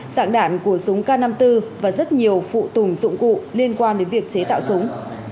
dạng đạn của súng k năm mươi bốn và rất nhiều phụ tùng dụng cụ liên quan đến việc chế tạo súng